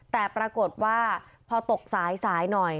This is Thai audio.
แต่ปรากฏว่าพอตกสายหน่อย